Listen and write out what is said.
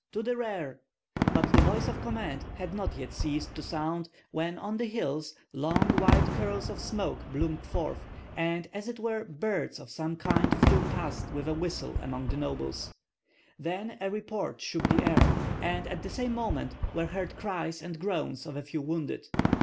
to the rear!" But the voice of command had not yet ceased to sound when on the hills long white curls of smoke bloomed forth, and as it were birds of some kind flew past with a whistle among the nobles; then a report shook the air, and at the same moment were heard cries and groans of a few wounded.